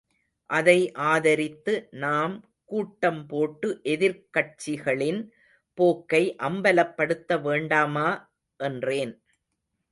அதை ஆதரித்து நாம் கூட்டம் போட்டு எதிர்க்கட்சிகளின் போக்கை அம்பலப்படுத்த வேண்டாமா? என்றேன்.